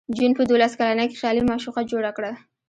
جون په دولس کلنۍ کې خیالي معشوقه جوړه کړه